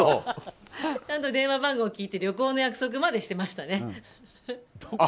電話番号を聞いて旅行の約束までしてましたね。